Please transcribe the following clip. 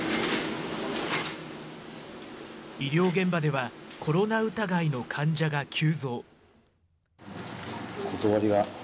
医療現場ではコロナ疑いの患者が急増。